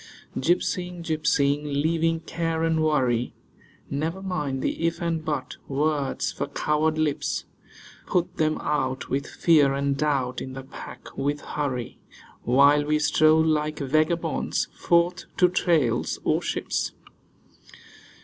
Gypsying, gypsying, leaving care and worry: Never mind the 'if' and 'but' (words for coward lips). Put them out with 'fear' and 'doubt,' in the pack with 'hurry,' While we stroll like vagabonds forth to trails, or ships.